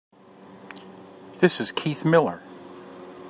This is Keith Miller.